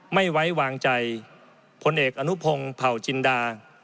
ไม่ไว้วางใจพลเอกอนุพงศ์เผาจินดา